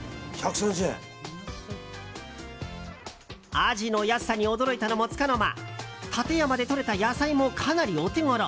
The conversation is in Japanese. アジの安さに驚いたのもつかの間館山でとれた野菜もかなりお手ごろ。